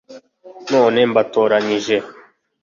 None mbatoranyije